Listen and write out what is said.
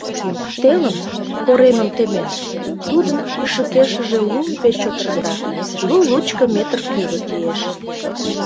Телым, коремым темен, тудын ӱшыкешыже лум пеш чот шында, лу-лучко метр кӱжгыт лиеш.